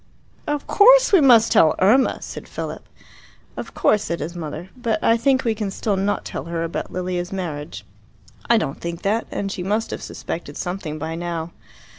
"Of course we must tell Irma!" said Philip. "Of course," said his mother. "But I think we can still not tell her about Lilia's marriage." "I don't think that. And she must have suspected something by now."